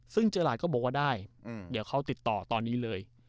ซึ่งเจอราชก็บอกว่าได้เดี๋ยวเขาติดต่อตอนนี้เลย